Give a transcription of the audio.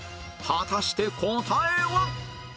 果たして答えは？